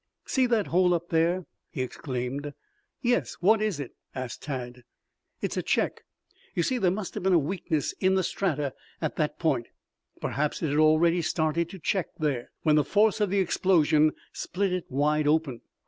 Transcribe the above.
"See that hole up there?" he exclaimed. "Yes, what is it?" asked Tad. "It's a check. You see there must have been a weakness in the strata at that point perhaps it had already started to check there, when the force of the explosion split it wide open.